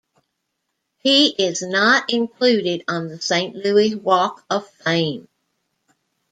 He is not included on the Saint Louis Walk of Fame.